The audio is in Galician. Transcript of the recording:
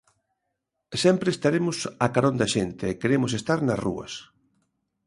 Sempre estaremos a carón da xente e queremos estar nas rúas.